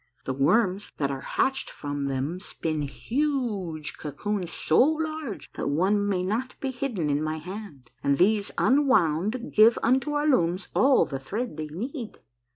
The worms that are hatched from them spin huge cocoons so large that one may not be hidden in my hand, and these unwound give unto our looms all the thread they need."